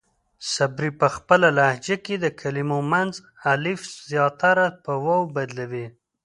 صبري پۀ خپله لهجه کې د کلمو منځ الف زياتره پۀ واو بدلوي.